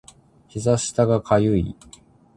膝下が痒い